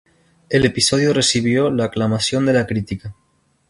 El episodio recibió la aclamación de la crítica.